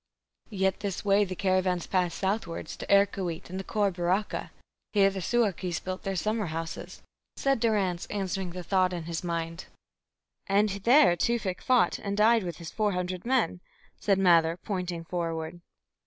"Yet this way the caravans passed southwards to Erkoweet and the Khor Baraka. Here the Suakis built their summer houses," said Durrance, answering the thought in his mind. "And there Tewfik fought, and died with his four hundred men," said Mather, pointing forward.